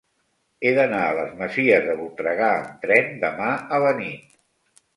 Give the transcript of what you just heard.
He d'anar a les Masies de Voltregà amb tren demà a la nit.